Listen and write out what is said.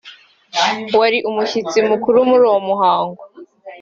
wari Umushyitsi Mukuru muri uwo muhango